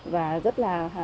và rất là